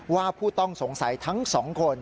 ผู้ต้องสงสัยทั้ง๒คน